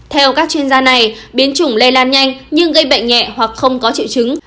theo các chuyên gia này biến chủng lây lan nhanh nhưng gây bệnh nhẹ hoặc không có triệu chứng